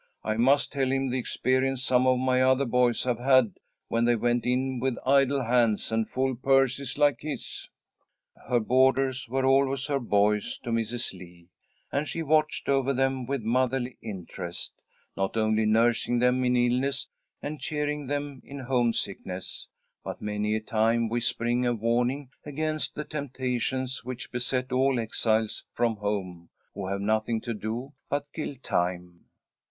I must tell him the experience some of my other boys have had when they went in with idle hands and full purses like his." Her boarders were always her boys to Mrs. Lee, and she watched over them with motherly interest, not only nursing them in illness and cheering them in homesickness, but many a time whispering a warning against the temptations which beset all exiles from home who have nothing to do but kill time.